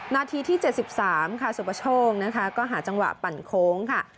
นาทีที่๗๓ค่ะสุปโชคนะคะก็หาจังหวะปั่นโค้งค่ะ